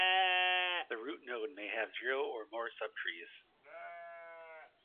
The root node may have zero or more subtrees.